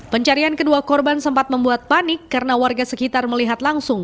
pencarian kedua korban sempat membuat panik karena warga sekitar melihat langsung